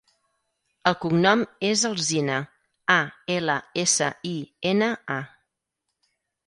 El cognom és Alsina: a, ela, essa, i, ena, a.